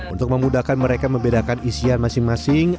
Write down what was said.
untuk memudahkan mereka membedakan isian masing masing